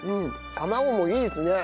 卵もいいですね。